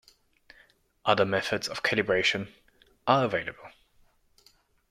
Other methods of calibration are available.